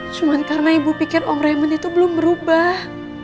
cuman karena ibu pikir om raymond itu belum berubah